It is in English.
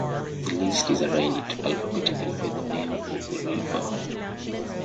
The list is arranged alphabetically by the name of the river.